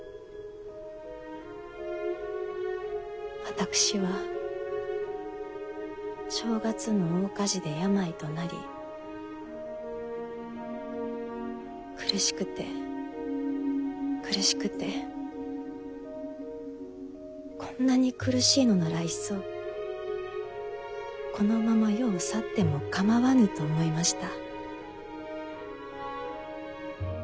私は正月の大火事で病となり苦しくて苦しくてこんなに苦しいのならいっそこのまま世を去っても構わぬと思いました。